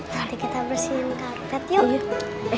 nanti kita bersihin karpet yuk gitu